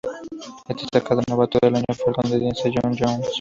El destacado Novato del Año fue el canadiense John Jones.